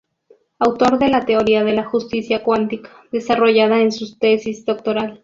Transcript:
Autor de la Teoría de la Justicia Cuántica, desarrollada en su tesis doctoral.